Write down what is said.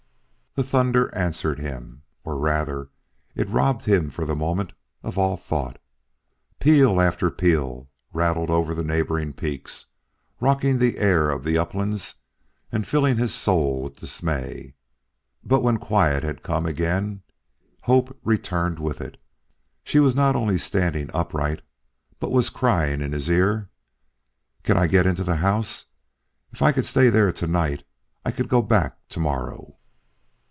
The thunder answered him, or rather it robbed him for the moment of all thought. Peal after peal rattled over the neighboring peaks, rocking the air on the uplands and filling his soul with dismay. But when quiet had come again, hope returned with it. She was not only standing upright but was crying in his ear: "Can I get into the house? If I could stay there to night, I could go back to morrow."